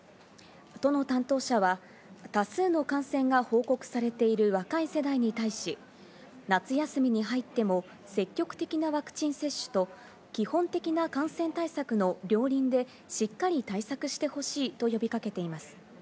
都の担当者は多数の感染が報告されている若い世代に対し、夏休みに入っても積極的なワクチン接種と基本的な感染対策の両輪でしっかり対策してほしいと呼びかけています。